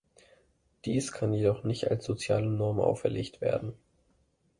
Dies kann jedoch nicht als soziale Norm auferlegt werden.